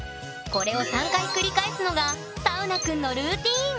これを３回繰り返すのがサウナくんのルーティン！